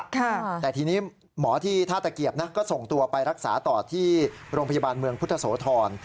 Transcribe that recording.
แต่ทีนี้หมอที่ท่าตะเกียบนะก็ส่งตัวไปรักษาต่อที่โรงพยาบาลเมืองพุทธโสธร